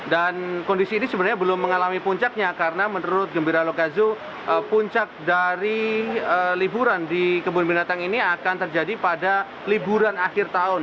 dan kondisi ini sebenarnya belum mengalami puncaknya karena menurut gembira loka zu puncak dari liburan di kebun binatang ini akan terjadi pada liburan akhir tahun